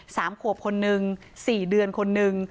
สามขวบคนนึงสี่เดือนคนนึง